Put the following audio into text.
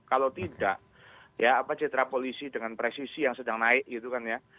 kalau tidak ya apa citra polisi dengan presisi yang sedang naik gitu kan ya